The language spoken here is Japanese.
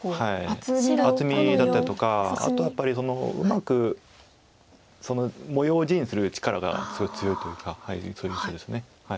白５の四コスミ厚みだったりとかあとはやっぱりうまく模様を地にする力がすごい強いというかそういう人です。